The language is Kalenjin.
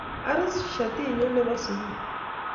arus shatit nyu nebo sukul